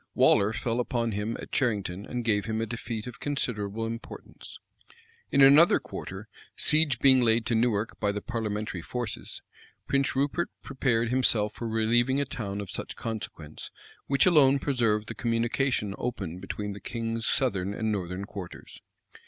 Waller fell upon him at Cherington, and gave him a defeat of considerable importance. In another quarter, siege being laid to Newark by the parliamentary forces, Prince Rupert prepared himself for relieving a town of such consequence, which alone preserved the communication open between the king's southern and northern quarters.